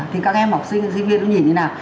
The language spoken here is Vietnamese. thì các em học sinh các sinh viên nhìn như thế nào